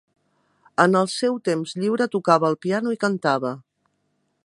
En el seu temps lliure tocava el piano i cantava.